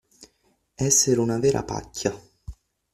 Essere una vera pacchia.